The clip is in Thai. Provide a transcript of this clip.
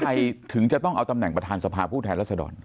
ประชาธิปไตยถึงจะต้องเอาตำแหน่งประธานสภาผู้แทนรัศดร